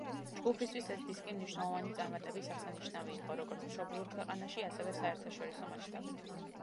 ჯგუფისთვის ეს დისკი მნიშვნელოვანი წარმატების აღსანიშნავი იყო, როგორც მშობლიურ ქვეყანაში, ასევე საერთაშორისო მასშტაბით.